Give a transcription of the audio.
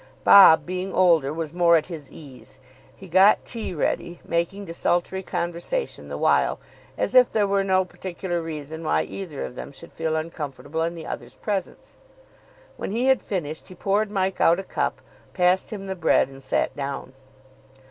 Bob, being older, was more at his ease. He got tea ready, making desultory conversation the while, as if there were no particular reason why either of them should feel uncomfortable in the other's presence. When he had finished, he poured Mike out a cup, passed him the bread, and sat down.